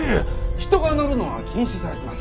人が乗るのは禁止されてます。